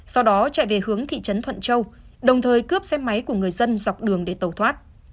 sau đó chạy về hướng thị trấn thuận châu đồng thời cướp xe máy của người dân dọc đường để tẩu thoát